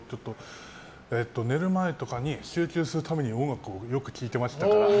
寝る前とかに集中するために音楽をよく聴いてましたから。